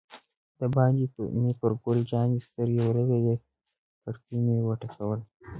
دباندې مې پر ګل جانې سترګې ولګېدې، کړکۍ مې و ټکول.